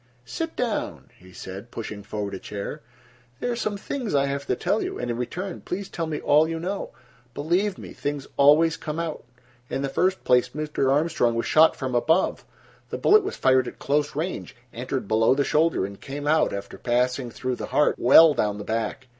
"Sit down," he said, pushing forward a chair. "There are some things I have to tell you, and, in return, please tell me all you know. Believe me, things always come out. In the first place, Mr. Armstrong was shot from above. The bullet was fired at close range, entered below the shoulder and came out, after passing through the heart, well down the back.